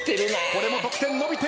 これも得点伸びている！